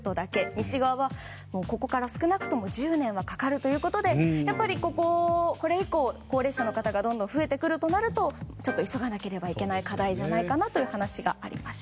西側はここから少なくとも１０年はかかるということでこれ以降、高齢者の方がどんどん増えてくるとなるとちょっと急がなければいけない課題じゃないかという話がありました。